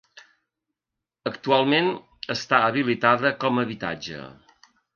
Actualment està habilitada com a habitatge.